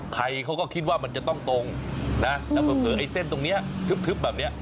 ใครเขาก็คิดว่ามันจะต้องตรงนะแล้วเผลอไอ้เส้นตรงนี้ทึบแบบนี้